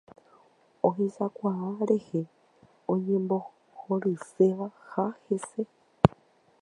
Ohechakuaa rehe oñembohoryseha hese.